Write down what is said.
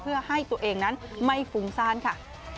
เพื่อให้ตัวเองนั้นไม่ฟุ้งซ่านค่ะ